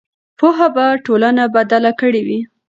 پوهه به ټولنه بدله کړې وي.